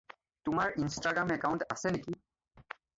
তোমাৰ Instagram account আছে নেকি?